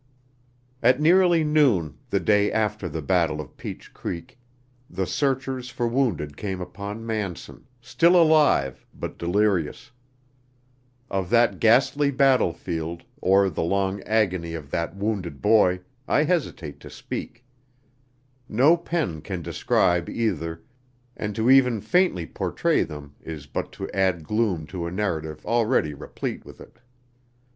At nearly noon the day after the battle of Peach Creek the searchers for wounded came upon Manson, still alive, but delirious. Of that ghastly battlefield, or the long agony of that wounded boy, I hesitate to speak. No pen can describe, either, and to even faintly portray them is but to add gloom to a narrative already replete with it.